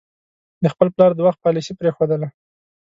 د خپل پلار د وخت پالیسي پرېښودله.